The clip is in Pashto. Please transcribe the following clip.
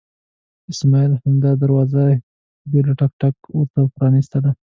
اسماعیل همدا دروازه بې له ټک ټکه ورته پرانستله.